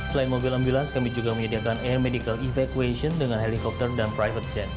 selain mobil ambulans kami juga menyediakan air medical efeccuation dengan helikopter dan private gen